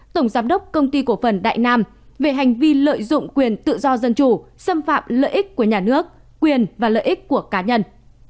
tổng giám đốc công ty cổ phần đại nam về hành vi lợi dụng quyền tự do dân chủ xâm phạm lợi ích của nhà nước quyền và lợi ích của cá nhân